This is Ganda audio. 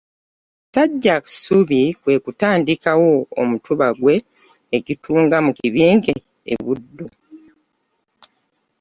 Basajjassubi kwe kutandikawo omutuba gwe e Kitunga mu Kibinge e Buddu.